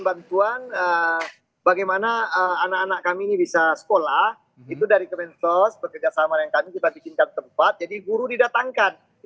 bantuan bagaimana anak anak kami ini bisa sekolah itu dari kemensos bekerja sama dengan kami kita bikinkan tempat jadi guru didatangkan